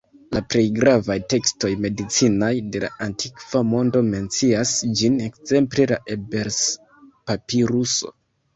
La plej gravaj tekstoj medicinaj de la antikva mondo mencias ĝin, ekzemple la Ebers-papiruso.